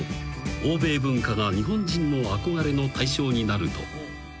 欧米文化が日本人の憧れの対象になると］